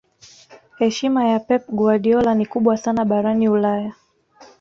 heshima ya pep guardiola ni kubwa sana barani ulaya